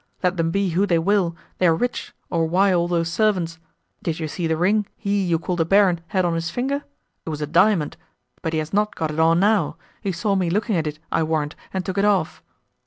Let them be who they will, they are rich, or why all those servants? Did you see the ring, he, you call the Baron, had on his finger?—it was a diamond; but he has not got it on now: he saw me looking at it, I warrant, and took it off."